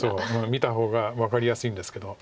見た方が分かりやすいんですけど。